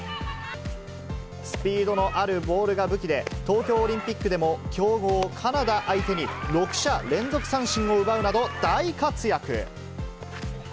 スピードのあるボールが武器で、東京オリンピックでも、強豪カナダ相手に、６者連続三振を奪うなど、大活躍。